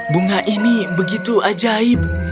bunga ini begitu ajaib